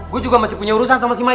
gue juga masih punya urusan sama si mai